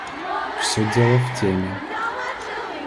Всё дело в теме.